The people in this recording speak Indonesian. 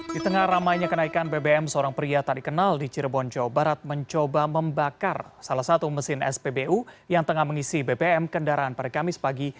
di tengah ramainya kenaikan bbm seorang pria tak dikenal di cirebon jawa barat mencoba membakar salah satu mesin spbu yang tengah mengisi bbm kendaraan pada kamis pagi